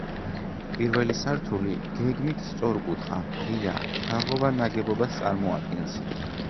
პირველი სართული, გეგმით სწორკუთხა, ღია, თაღოვან ნაგებობას წარმოადგენს.